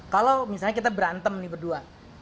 kalau misalnya kita berantem nih berdua